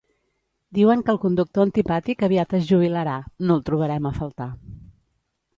Diuen que el conductor antipàtic aviat es jubilarà, no el trobarem a faltar